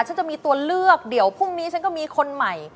ฉันจะมีตัวเลือกเดี๋ยวพรุ่งนี้ฉันก็มีคนใหม่